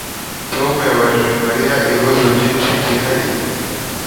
Tom yabajije Mariya ibibazo byinshi byihariye